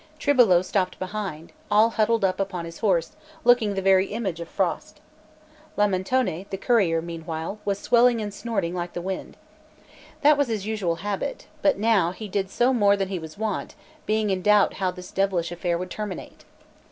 Tribolo stopped behind, all huddled up upon his horse, looking the very image of frost. Lamentone, the courier, meanwhile, was swelling and snorting like the wind. That was his usual habit; but now he did so more than he was wont, being in doubt how this devilish affair would terminate.